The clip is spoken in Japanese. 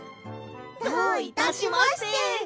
どういたしまして。